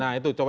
nah itu coba